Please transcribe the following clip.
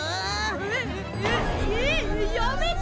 えっえっえっやめてよ！